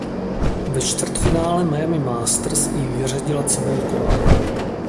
Ve čtvrtfinále Miami Masters jí vyřadila Cibulková.